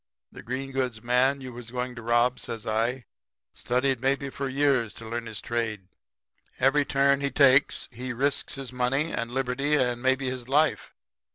The green goods man you was going to rob,' says I, 'studied maybe for years to learn his trade. Every turn he makes he risks his money and liberty and maybe his life.